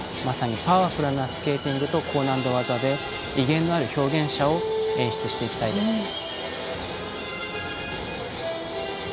まさにパワフルなスケーティングと高難度技で、威厳のある表現者を演出していきたいです。